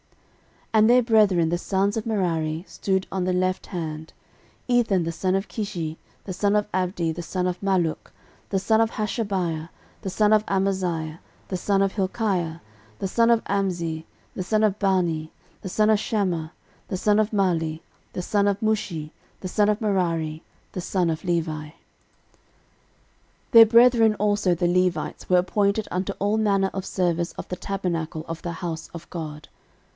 13:006:044 And their brethren the sons of Merari stood on the left hand: Ethan the son of Kishi, the son of Abdi, the son of Malluch, 13:006:045 The son of Hashabiah, the son of Amaziah, the son of Hilkiah, 13:006:046 The son of Amzi, the son of Bani, the son of Shamer, 13:006:047 The son of Mahli, the son of Mushi, the son of Merari, the son of Levi. 13:006:048 Their brethren also the Levites were appointed unto all manner of service of the tabernacle of the house of God.